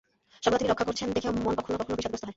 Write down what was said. সর্বদা তিনি রক্ষা করছেন দেখেও মন কখনও কখনও বিষাদগ্রস্ত হয়।